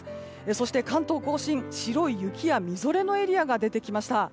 そして関東・甲信、白い雪やみぞれのエリアが出てきました。